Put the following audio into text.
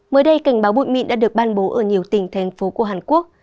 mới đây cảnh báo bụi mịn đã được ban bố ở nhiều tỉnh thành phố của hàn quốc